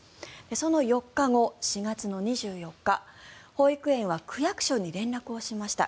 その４日後、４月２４日保育園は区役所に連絡しました。